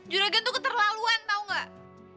juragan tuh keterlaluan tau gak